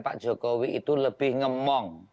pak jokowi itu lebih ngemong